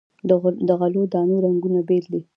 د غلو دانو رنګونه بیل دي.